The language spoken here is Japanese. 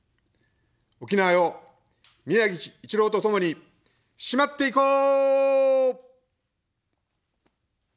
沖縄よ、宮城イチローとともに、しまっていこー。